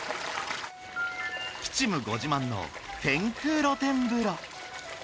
吉夢ご自慢の天空露天風呂。